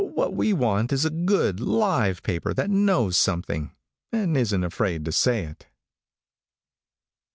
What we want is a good, live paper that knows something, and isn't afraid to say it.